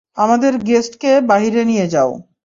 আমাদের গেস্টকে বাহিরে নিয়ে যাও।